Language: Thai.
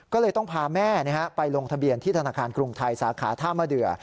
ก็เลยต้องพาแม่ไปลงทะเบียนที่ธนาคารกรุงไทยสาขาท่ามะเดือ